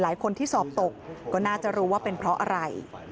หลายคนที่สอบตกก็น่าจะรู้ว่าเป็นเพราะอะไร